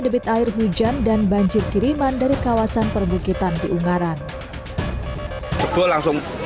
debit air hujan dan banjir kiriman dari kawasan perbukitan di ungaran betul langsung